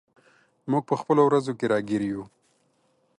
موږ په خپلو ورځو کې راګیر یو.